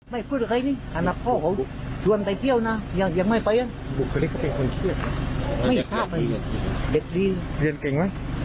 เรียนเก่งไหมเรียนเก่งเรียนเก่ง